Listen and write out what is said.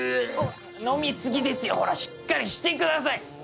飲み過ぎですよほらしっかりしてください！